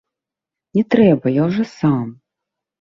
Не трэба, я ўжо сам.